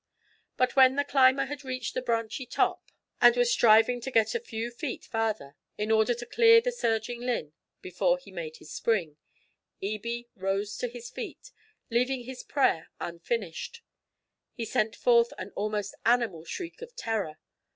But when the climber had reached the branchy top, and was striving to get a few feet farther, in order to clear the surging linn before he made his spring, Ebie rose to his feet, leaving his prayer unfinished. He sent forth an almost animal shriek of terror.